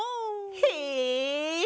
へえ。